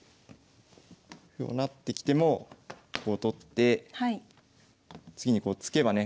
歩を成ってきてもこう取って次にこう突けばね